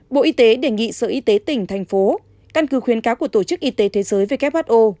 bộ y tế đề nghị sở y tế tỉnh thành phố căn cứ khuyến cáo của tổ chức y tế thế giới who